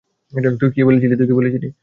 তুই কী বলেছিলি?